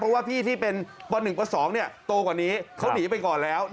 เพราะว่าพี่ที่เป็นป๑ป๒โตกว่านี้เขาหนีไปก่อนแล้ว